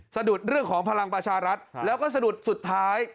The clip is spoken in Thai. สะดุดเรื่องของพลังประชารัฐแล้วก็สะดุดสุดท้าย